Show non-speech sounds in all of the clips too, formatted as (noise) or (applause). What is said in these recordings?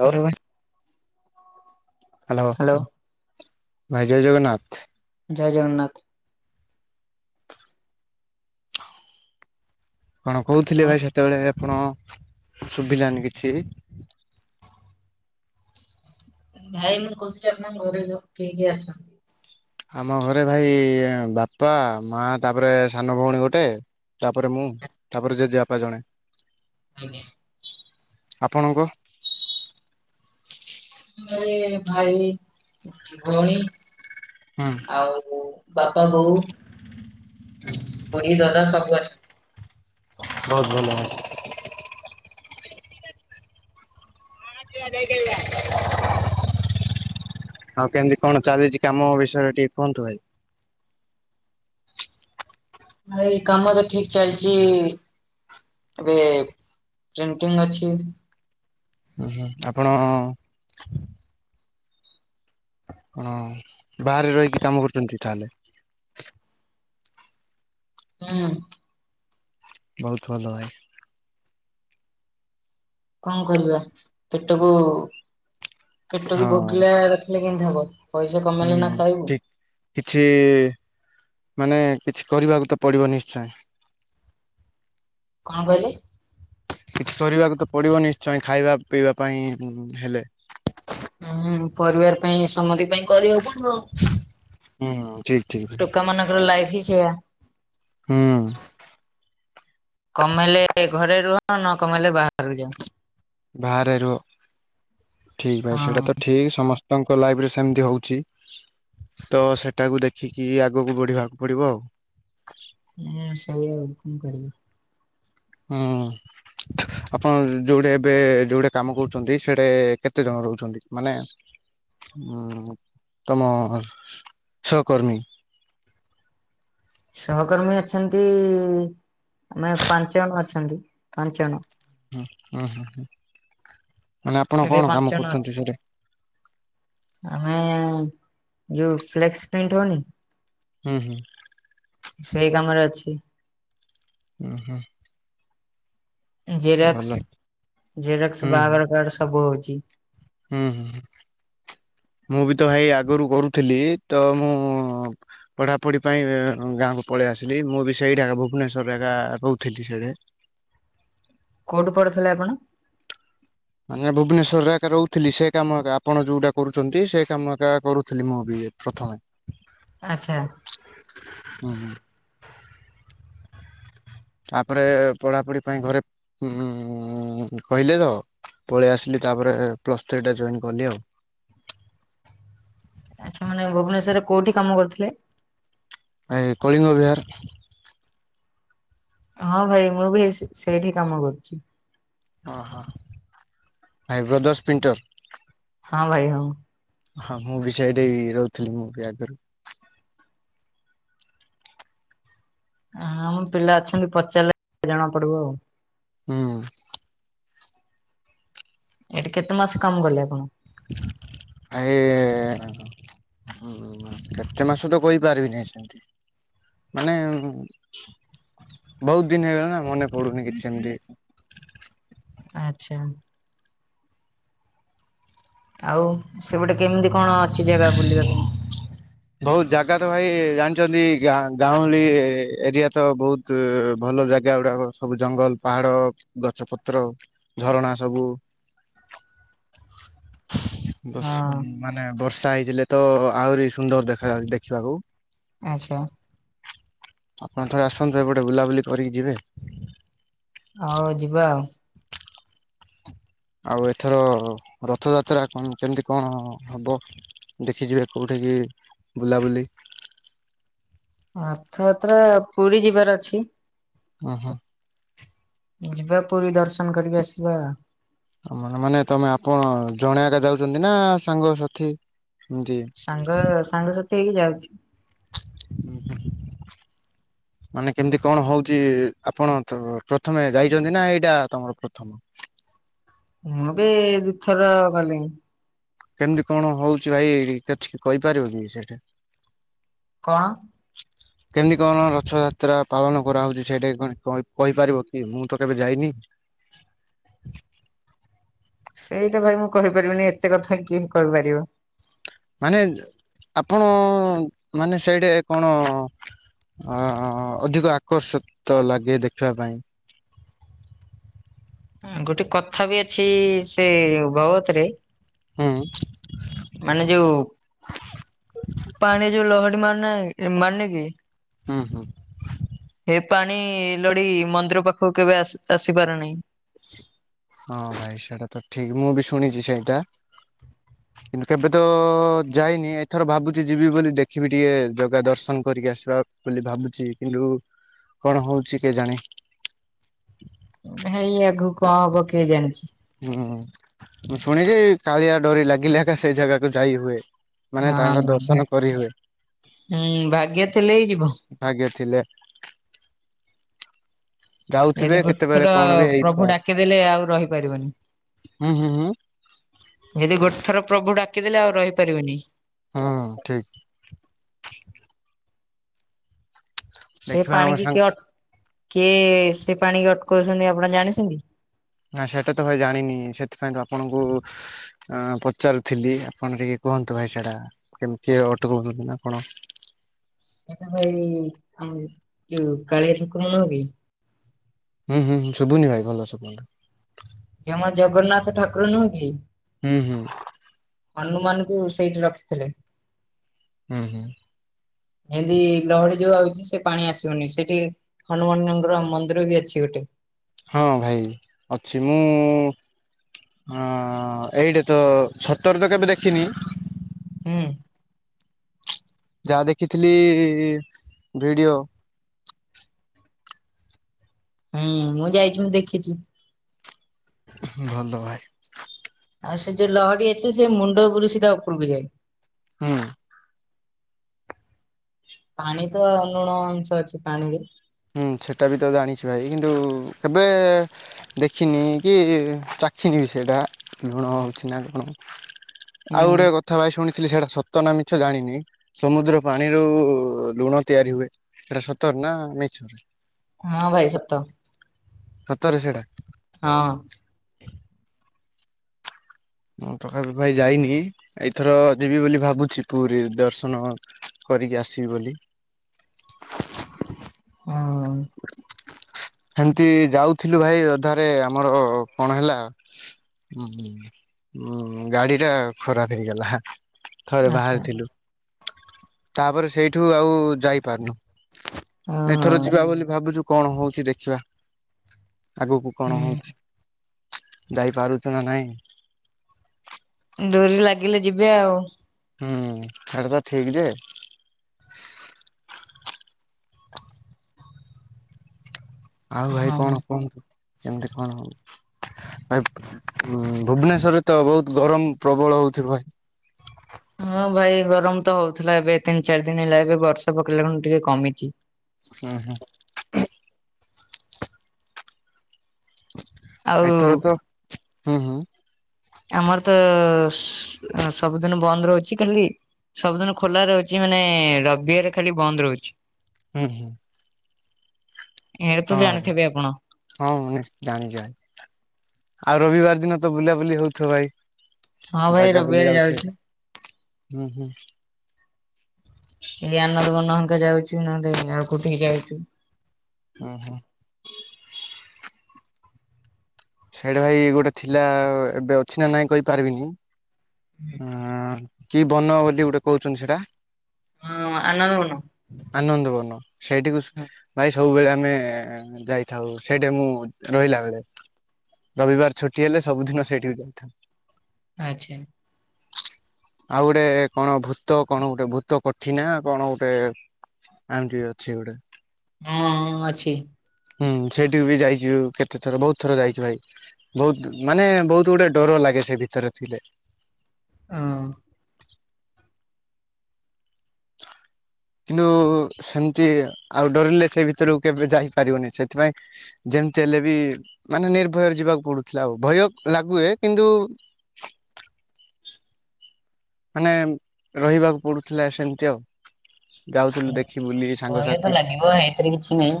Hello. Hello ଭାଇ hello hello. ଭାଇ ଜୟ ଜଗନ୍ନାଥ। ଜୟ ଜଗନ୍ନାଥ। କଣ କହୁଥିଲେ କଣ ଭାଇ ସେତେବେଳେ ଆପଣ ଶୁଭିଲାନି କିଛି? ଭାଇ ମୁଁ କହୁଥିଲି ଆପଣଙ୍କ ଘରେ ଯୋଉ କିଏ କିଏ ଅଛନ୍ତି? ଆମ ଘରେ ଭାଇ ଏଁ ବାପା ମାଆ ତାପରେ ସାନ ଭଉଣୀ ଗୋଟେ ତାପରେ ମୁଁ ତାପରେ ଜେଜେବାପା ଜଣେ। ଆଜ୍ଞା। ଆପଣଙ୍କ ଆମର ଏ ଭାଇ, ଭଉଣୀ ହଁ। ଆଉ ବାପା, ବୋଉ ଖୁଡି, ଦଦା ସବୁ ଅଛନ। ବହୁତ ଭଲ। (inaudible) ଆଉ କେମତି କଣ ଚାଲିଚି କାମ ବିଷୟରେ ଟିକେ କୁହନ୍ତୁ ଭାଇ? ଭାଇ କାମ ତ ଠିକ୍ ଚାଲିଚି। ଏବେ ପ୍ରିଟିଙ୍ଗ୍ ଅଛି। ଉଁ ହୁଁ ଆପଣ ଆପଣ ବାହାରେ ରହିକି କାମ କରୁଚନ୍ତି ତାହାଲେ? ହୁଁ। ବହୁତ ଭଲ ଭାଇ। କଣ କରିବା, ପେଟକୁ ପେଟକୁ ହଁ ଭୋକିଲା ରଖିଲେ କେମିତି ହବ? ପଇସା କମେଇଲେ ସିନା ହୁଁ ଖାଇବୁ। ଠିକ କିଛି ମାନେ କିଛି କରିବାକୁ ତ ପଡିବ ନିଶ୍ଚୟ। କଣ କହିଲେ? କିଛି କରିବାକୁ ତ ପଡିବ ନିଶ୍ଚୟ ଖାଇବା ପିଇବା ପାଇଁ ହେଲେ ହୁଁ ପରିବାର ପାଇଁ ସମତି ପାଇଁ କରିବାକୁ ପଡିବ। ହୁଁ ଠିକ୍ ଠିକ୍। ଟୋକା ମାନଙ୍କର ଲାଇଫ ହିଁ ସେଇଆ ହୁଁ କମେଇଲେ ଘରେ ରୁହ ନ କମେଇଲେ ବାହାରରୁ ଯାଅ। ବାହାରେ ରୁହ, ଠିକ ଭାଇ ସେଇଟା ତ ହଁ ଠିକ ସମସ୍ତଙ୍କ ଲାଇଫରେ ସେମତି ହଉଛି। ତ ସେଟାକୁ ଦେଖିକି ଆଗକୁ ବଢିବାକୁ ପଡିବ ଆଉ। ହୁଁ, ସେଇ ଆଉ କଣ କରିବି? ହୁଁ। (inaudible) ଆପଣ ଯୋଉଠି ଏବେ ଯୋଉଠି କାମ କରୁଛନ୍ତି, ସେଇଠି କେତେ ଜଣ ରହୁଛନ୍ତି? ମାନେ ହୁଁ, ତମ ସହକର୍ମୀ। ସହକର୍ମୀ ଅଛନ୍ତି, ଆମେ ପାଞ୍ଚ ଜଣ ଅଛନ୍ତି, ପାଞ୍ଚ ଜଣ। ହୁଁ ହୁଁ ହୁଁ ହୁଁ, ମାନେ ଆପଣ ଏବେ କଣ ପାଞ୍ଚ କାମ ଜଣ ଅଛୁ। କରୁଛନ୍ତି ସେଠି? ଆମେ ଯୋଉ ଫ୍ଲେକ୍ସ ପ୍ରିଣ୍ଟ ହଉନି? ହୁଁ ହୁଁ। ସେଇ କାମରେ ଅଛି। ହୁଁ ହୁଁ। ଭଲ ଜେରକ୍ସ ଜେରକ୍ସ, ହୁଁ ବାହାଘର କାର୍ଡ ସବୁ ହଉଛି। ହୁଁ ହୁଁ, ମୁଁ ବି ତ ଭାଇ ଆଗରୁ କରୁଥିଲି, ତ ମୁଁ ପଢ଼ାପଢ଼ି ପାଇଁ ଗାଁକୁ ପଳେଇଆସିଲି, ମୁଁ ବି ସେଇଠି ଏକା ଭୁବନେଶ୍ୱର ଏକା ରହୁଥିଲି ସେଇଠି। କୋଉଠୁ ପଢୁଥିଲେ ଆପଣ? ମାନେ ଭୁବନେଶ୍ୱରରେ ଏକା ରହୁଥିଲି ସେ କାମ ଏକା ଆପଣ ଯୋଉଟା କରୁଚନ୍ତି ସେ କାମ ଏକା କରୁଥିଲି ମୁଁ ବି ପ୍ରଥମେ। ଆଚ୍ଛା। ହୁଁ ହୁଁ। ତାପରେ ପଢାପଢି ପାଇଁ ଘରେ ଉଁ କହିଲେ ତ। ପଳେଇ ଆସିଲି ତାପରେ ପ୍ଲସ ଥ୍ରୀ ଟେ ଜଏନ୍ କଲି ଆଉ। ଆଚ୍ଛା ମାନେ ଭୁବନେଶ୍ୱରରେ କୋଉଠି କାମ କରୁ ଥିଲେ? ଏଇ କଳିଙ୍ଗ ବିହାର। ହଁ ଭାଇ, ମୁଁ ବି ସେ ସେଇଠି କାମ କରୁଛି। ଅ ହ ଭାଇବ୍ରଦର୍ସ ସ୍ପିଣ୍ଟର। ହଁ ଭାଇ ହଁ। ହଁ ମୁଁ ବି ସେଇଠି ରହୁଥିଲି, ମୁଁ ବି ଆଗରୁ। ହଁ ଆମ ପିଲା ଅଛନ୍ତି, ପଚାରିଲେ ଜଣା ପଡିବ ଆଉ। ହୁଁ ଏଠି କେତେ ମାସ କାମ କଲେ ଆପଣ? ଏଇ ହୁଁ, କେତେ ମାସ ତ କହିପାରିବିନି ସେମିତି ମାନେ ବହୁତ ଦିନି ହେଇଗଲାଣି ମାନେ ଆଚ୍ଛା। ଆଉ ସେପଟେ କେମିତି କଣ ଅଛି ଜାଗା ବୁଲିବା ପାଇଁ? ବହୁତୁ ଜାଗା ତ ଭାଇ ଜାଣିଛନ୍ତି ଗାଁ ଗାଁଉଁଳି ଏରିଆ ତ ବହୁତ ତୁ ଭଲ ଜାଗା ଗୁଡାକ ସବୁ ଜଙ୍ଗଲ ପାହାଡ ଗଛ ପତ୍ର ଝରଣା ସବୁ ବର୍ଷ ହଁ ମାନେ ବର୍ଷା ହେଇଥିଲେ ତ ଆହୁରି ସୁନ୍ଦର ଦେଖା ଯାଉଚି ଦେଖିବାକୁ। ଆଚ୍ଛା। ଆପଣ ଥରେ ଆସନ୍ତୁ ଏପଟେ ବୁଲାବୁଲି କରିକି ଯିବେ? ହଉ ଯିବା ଆଉ। ଆଉ ଏଥର ରଥଯାତ୍ରା କଣ କେମିତି କଣ ହବ? ଦେଖିଯିବେ କୋଉଠିକିି ବୁଲାବୁଲି? ରଥଯାତ୍ରା ପୁରୀ ଯିବାର ଅଛି। ଅହଁ। ଯିବା ପୁରୀ ଦର୍ଶନ କରିକି ଆସିବା। ମାନେ ତମେ ଆପଣ ଜଣେ ଏକା ଯାଉଛନ୍ତି ନା। ସାଙ୍ଗସାଥି ଏମିତି? ସାଙ୍ଗ ସାଙ୍ଗସାଥି ହେଇକି ଯାଉଚୁ। ମାନେ କେମିତି କଣ ହଉଚି ଆପଣ ପ୍ରଥମେ ଯାଇଚନ୍ତି ନା ଏଇଟା ତମର ପ୍ରଥମ? ମୁଁ ବି ଦିଇଥର ଗଲିଣି। କେମିତି କଣ ହଉଚିଭାଇ କିଛି କହିପାରିବ କି ସେଇଠି? କଣ? କେମିତି କଣ ରଥଯାତ୍ରା ପାଳନ କରାହଉଚି ସେଇଠି କଣ କହିପାରିବ କି ମୁଁ ତ କେବେ ଯାଇନି? ସେଇଟା ଭାଇ ମୁଁ କହିପାରିବିନି ଏତେ କଥା କିଏ କହିପାରିବ। ମାନେ ଆପଣ ମାନେ ସେଇଟି କଣ ଅ ଅଧିକ ଆକର୍ଷିତ ଲାଗେ ଦେଖିବା ପାଇଁ। ଅ ଗୋଟେ କଥା ବି ଅଛି ସେ ଭଗବତ ରେ ହୁଁ। ମାନେ ଯୋଉ ପାଣି ଯୋଉ ଲହଡି ମାରୁନି। ମାନେ କି ହୁଁ ହୁଁ। ହେ ପାଣି ଲହଢ଼ି ମନ୍ଦିର ପାଖକୁ କେବେ ଆସି ଆସିପାରୁନାହିଁ। ହଁ ଭାଇ ସେଇଟା ତ ଠିକ, ମୁଁ ବି ଶୁଣିଚି ସେଇଟା। କିନ୍ତୁ କେବେ ତ ଯାଇନି ଏଥର ଭାବୁଛି ଯିବି ବୋଲି ଦେଖିବି ଟିକେ ଜଗା ଦର୍ଶନ କରିକି ଆସିବା। ବୋଲି ଭାବୁଛି କିନ୍ତୁ କଣ ହଉଛି କେଜାଣି। ଭ। ଇ ଆଗକୁ କଣ ହବ କିଏ ଜାଣିଛି। ହୁଁ ମୁଁ ଶୁଣିଛି କାଳିଆ ତୋରି ଲାଗିଲେ ସେଇ ଜାଗାକୁ ଯାଇ ହୁଏ। ମାନେ ତାଙ୍କ ହଁ ଦର୍ଶନ କରି ହୁଏ ହୁଁ ଭାଗ୍ୟ ଥିଲେ ହିଁ ଯିବ। ଭାଗ୍ୟ ଥିଲେ। ଯାଉଥିବେ ଯଦି ଗୋଟେ କେତେବେଳେ ଥର କଣ ବି ପ୍ରଭୁ ହେଇପାରେ। ଡାକିଦେଲେ ଆଉ ରହିପାରିବନି। ହୁଁ ହୁଁ ହୁଁ ଯଦି ଗୋଟେ ଥର ପ୍ରଭୁ ଡାକିଦେଲେ ଆଉ ରହିପାରିବନି। ହୁଁ ଠିକ୍। ସେ ଦେଖିବା ଆମ ପାଣି ସାଙ୍ଗ କିଏ ଅଟ କିଏ ସେ ପାଣି କି ଅଟକାଉଛନ୍ତି ଆପଣ ଜାଣିଛନ୍ତି? ନା ସେଇଟା ତ ଭାଇ ଜାଣିନି ସେଥିପାଇଁ ତ ଆପଣଙ୍କୁ ଅ ପଚାରୁଥିଲି ଆପଣ ଟିକେ କୁହନ୍ତୁ ଭାଇ ସେଟା କେମିତି ଅଟକୋଉଚନ୍ତି ଆପଣ? ଏଟା ଭାଇ ଆମର ଯଉ କାଳିଆ ଠାକୁର ନୁହେଁ କି ହୁଁ ହୁଁ ଶୁବୁନି ଭାଇ ଭଲ ଶୁବୁନି। ଯଉ ଆମ ଜଗନ୍ନାଥ ଠାକୁର ନୁହୁଁ କି? ହୁଁ ହୁଁ। ହନୁମାନ ଙ୍କୁ ସେଇଠି ରଖିଥିଲେ। ହୁଁ ହୁଁ। ଏମତି ଲହଡି ଯୋଉ ଆଉଚି ସେ ପାଣି ଆସିବନି ସେଠି ହନୁମାନଙ୍କର ମନ୍ଦିର ବି ଅଛି ଗୋଟେ। ହଁ ଭାଇ ଅଛି ମୁଁ ହଁ ଏଇଟା ତ ଛତରେ ତ କେବେ ଦେଖିନି। ହୁଁ। ଯାହା ଦେଖିଥିଲି ଭିଡିଓ। ହୁଁ ମୁଁ ଯାଇକି ମୁଁ ଦେଖିଚି। ହୁଁ ଭଲ ଭାଇ। ଆଉ ସେ ଯୋଉ ଲହଡ଼ି ଅଛି ସେ ମୁଣ୍ଡ ବୁଲି ସିଧା ଉପରକୁ ଯାଏ। ହୁଁ। ପାଣି ତ ଲୁଣ ଅଂଶ ଅଛି ପାଣିରେ। ହୁଁ ସେଟା ବି ତ ଜାଣିଛି ଭାଇ କିନ୍ତୁ କେବେ ଦେଖିନି କି ଚାଖିନି ସେଟା ଲୁଣ ହଉଛି ନା କଣ। ହୁଁ ଆଉ ଗୋଟେ କଥା ଭାଇ ଶୁଣିଥିଲି ସେଟା ସତ ନା ମିଛ ଜାଣିନି। ସମୁଦ୍ର ପାଣିରୁ ଲୁଣ ତିଆରି ହୁଏ ସେଟା ସତରେ ନା ମିଛ? ହଁ ଭାଇ ସତ, ସତରେ ସେଇଟା ହଁ। ମୁଁ ପାଖାପାଖି ଭାଇ ଯାଇନି ଏଇଥର ଯିବି ବୋଲି ଭାବୁଛି ପୁରୀ ଦର୍ଶନ କରିକି ଆସିବି ବୋଲି। ହଁ। ହେମିତି ଯାଉଥିଲୁ ଭାଇ ଅଧାରେ ଆମର କଣ ହେଲା ଉଁ ଉଁ ଗାଡି ଟା ଖରାପ ହେଇଗଲା ଥରେ ଆଚ୍ଛା ବାହାରିଥିଲୁ। ତାପରେ ସେଇଠୁ ଆଉ ଯାଇପାରୁନୁ। ହଁ। ଏଥର ଯିବା ବୋଲି ଭାବୁଛୁ କଣ ହଉଛି ଦେଖିବା ଆଗକୁ କଣ ହୁଁ। ହଉଚି? ଯାଇପାରୁଛୁ ନା ନାଇଁ। ଡୋରି ଲାଗିଲେ ଯିବେ ଆଉ। ହୁଁ ହେଟା ତ ଠିକ୍ ଯେ ଆଉ ଭାଇ ହଁ। କଣ କୁହନ୍ତୁ କେମିତି କଣ ହଉ। ଭାଇ ଭୁବନେଶ୍ୱରେ ତ ବହୁତ ଗରମ ପ୍ରବଳ ହଉଥିବ ଭାଇ? ହଁ ଭାଇ ଗରମ ତ ହଉଥିଲା ଏବେ ତିନି ଚାରି ଦିନ ହେଲା ଏବେ ବର୍ଷା ପକେଇା ଖୁଣୁ ଟିକେ କମିଚି। ଉଁ ହୁଁ। ଏଥର ଆଉ ତ ହୁଁ ହୁଁ। ଆମର ତ ସବୁଦିନ ବନ୍ଦ ରହୁଛି ଖାଲି ସବୁଦିନ ଖୋଲା ରହୁଛି ମାନେ ରବିିବରେ ଖାଲି ବନ୍ଦ ରହୁଚି। ହୁଁ ହୁଁ। ଏ ତ ହଁ ଜାଣିଥିବେ ଆପଣ? ହଁ ମାନେ ଜାଣିଚି ଭାଇ। ଆଉ ରବିବାର ଦିନ ତ ବୁଲାବୁଲି ହଉଥିବ ଭାଇ ହଁ ଭାଇ ଜାଗା ବୁଲି ରବିବାର ଯାଉଥିବେ। ଯାଉଛୁ ହୁଁ ହୁଁ। ଏଇ ଆନନ୍ଦବର୍ଣ୍ଣଙ୍କା ଯାଉଛି ନହେଲେ ଆଉ କୋଠି ଯାଇଚୁ? ଉଁ ହୁଁ। ସେଇଟ ଭାଇ ଗୋଟେ ଥିଲା ଏବେ ଅଛି ନା ନାଇଁ କହିପାରିବିନି କି ବନ ବୋଲି ଗୋଟେ କହୁଛନ୍ତି ସେଇଟା? ହଁ, ଆନନ୍ଦବନ। ଆନନ୍ଦବନ ସେଇଠିକୁ ସୁ ଭାଇ ସବୁବେଳେ ଆମେ ଯାଇଥାଉ ସେଇଟି ମୁଁ ରହିଲା ବେଳେ ରବିବାର ଛୁଟି ହେଲେ ସବୁଦିନ ସେଇଠିକୁ ଯାଇଥାଉ। ଆଚ୍ଛା। ଆଉ ଗୋଟେ କଣ ଭୂତ କଣ ଗୋଟେ ଭୂତ କୋଠି ନା କଣ ଗୋଟେ ଆମିତି ଅଛି ଗୋଟେ ହଁ ହଁ ଅଛି। ହୁଁ, ସେଇଠିକୁ ବି ଯାଇଛୁ କେତେ ଥର ବହୁତ ଥର ଯାଇଛି ଭାଇ। ବହୁତ ମାନେ ବହୁତ ଗୁଡେ ଡର ଲାଗେ ସେ ଭିତରେ ଥିଲେ। ହଁ। କିନ୍ତୁ ସେମିତି ଆଉ ଡରିଲେ ସେ ଭିତରକୁ କେବେ ଯାଇପାରିବନି ସେଥିପାଇଁ ଯେମିତି ହେଲେ ବି ମାନେ ନିର୍ଭୟରେ ଯିବାକୁ ପଡୁଥିଲା ଆଉ ଭୟ ଲାଗୁଏ କିନ୍ତୁ ମାନେ ରହିବାକୁ ପଡୁଥିଲା ସେମିତି ଆଉ। ଯାଉଥିଲୁ ଦେଖି ବୁଲି ଭୟ ତ ସାଙ୍ଗସାଥି ଲାଗିବ ଏଥିରେ କିଛି ନାହିଁ।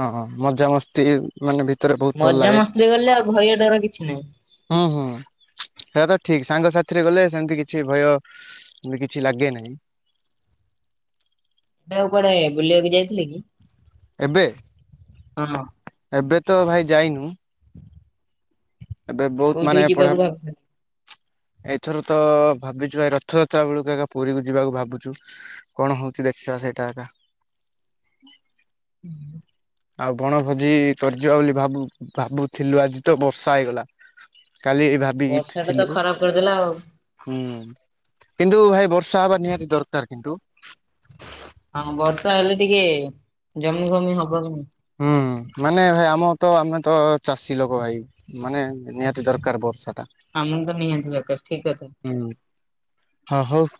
ହଁଁ ହଁ ମଜାମସ୍ତି ଟି ମାନେ ଭିତରେ ବ୍ ମଜାମସ୍ତି ରେ ଗଲେ ଆଉ ଭୟ ଡର କିଛି ନାହିଁ। ହୁଁ ହୁଁ ସେଇଟା ତ ଠିକ ସାଙ୍ଗ ସାଥିରେ ଗଲେ ସେମିତି କିଛି କିଛି ଭୟ ବି କିଛି ଲାଗେ ନାହିଁ। ଏବେ ଆଉ କୁଆଡେ ବୁଲିବାକୁ ଯାଇଥିଲ କି? ଏବେ? ହଁ। ଏବେ ତ ଭାଇ ଯାଇନୁ। ଏବେ ବହୁତ କୋଉଠିକି ମାନେ ପଢ଼ା ଯିବାକୁ ଭାବୁଛନ୍ତି ଏଇଥର ତ ଭାବିଛୁ ଭାଇ ରଥଯାତ୍ରା ବେଳକୁ ପୁରୀ କୁ ଯିବାକୁ ଭାବୁଛୁ କଣ ହଉଛି ଦେଖିବା ସେଇଟା ଏକା ହୁଁ (unintelligible) ଆଉ ବଣଭୋଜି କରିଯିବା ବୋଲି ଭାବୁ ଭାବୁଥିଲୁ ଆଜି ତ ବର୍ଷା ହେଇଗଲା। କାଲି ଭାବି କି ବର୍ଷା ଟା ଥିଲୁ ତ ଖରାପ କରିଦେଲା ଆଉ। ହୁଁ, କିନ୍ତୁ ଭାଇ ବର୍ଷା ହବା ନିହାତି ଦରକାର କିନ୍ତୁ ଆଁ ବର୍ଷା ହେଲେ ଟିକେ ଜମି ଫମି ହବନି। ହୁଁ ମାନେ ଭାଇ ଆମ ତ ଆମେ ତ ଚାଷୀ ଲୋକ ଭାଇ। ମାନେ ନିହାତି ଦରକାର ବର୍ଷା ଟା। ଆମ କୁ ତ ନିହାତି ଦରକାର ଠିକ୍ କଥା। ହୁଁ, ହଁ ହଉ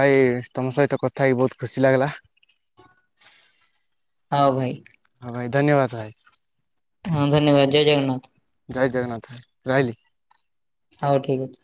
ଭାଇ ତମ ସହିତ କଥା ହେଇକି ବହୁତ ଖୁସି ଲାଗିଲା। ହଉ ଭାଇ। ହଁ ଭାଇ ଧନ୍ୟବାଦ ଭାଇ। ହଁ ଧନ୍ୟବାଦ ଜୟ ଜଗନ୍ନାଥ। ଜୟ ଜଗନ୍ନାଥ ରହିଲି। ହଉ ଠିକ୍ ଅଛି।